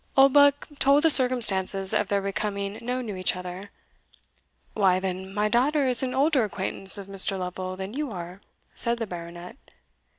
Oldbuck told the circumstances of their becoming known to each other. "Why, then, my daughter is an older acquaintance, of Mr. Lovel than you are," said the Baronet.